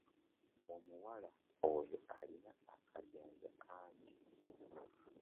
Omuwala oyo alina kajjanja kangi.